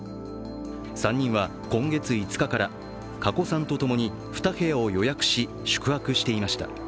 ３人は今月５日から加古さんと共に２部屋を予約し、宿泊していました。